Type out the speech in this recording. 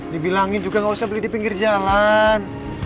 dibilangin juga nggak usah beli di pinggir jalan